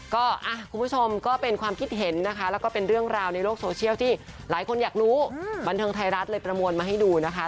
คุณผู้ชมก็เป็นความคิดเห็นนะคะแล้วก็เป็นเรื่องราวในโลกโซเชียลที่หลายคนอยากรู้บันเทิงไทยรัฐเลยประมวลมาให้ดูนะคะ